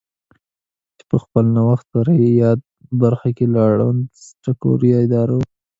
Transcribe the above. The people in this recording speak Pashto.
چې په خپل نوښت سره په یاده برخه کې له اړوندو سکټوري ادارو